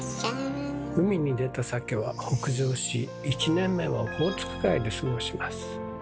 海に出たサケは北上し１年目はオホーツク海で過ごします。